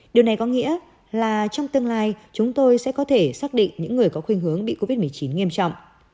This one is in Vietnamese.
điều này có nghĩa là trong tương lai chúng tôi sẽ có thể xác định những người có khuyên hướng bị covid một mươi chín nghiêm trọng